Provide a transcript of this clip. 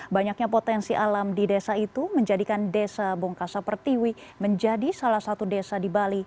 banyaknya potensi alam di desa itu menjadikan desa bongkasa pertiwi menjadi salah satu desa di bali